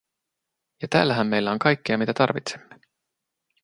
Ja täällähän meillä on kaikkea mitä tarvitsemme.